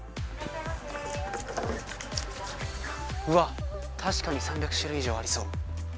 うわっ、確かに３００種類以上ありそう。